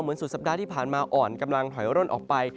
สุดสัปดาห์ที่ผ่านมาอ่อนกำลังถอยร่นออกไป